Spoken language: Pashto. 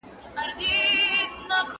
آیا د پښو تګ د لاسونو تر کار ډېر دی؟